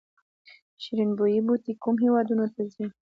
شیرین بویې بوټی کومو هیوادونو ته ځي؟